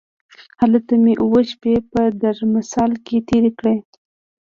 هلته مې اووه شپې په درمسال کې تېرې کړې.